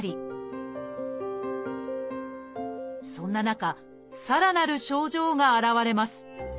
そんな中さらなる症状が現れます。